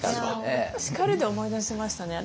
叱るで思い出しましたね。